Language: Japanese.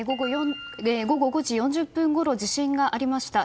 午後５時４０分ごろ地震がありました。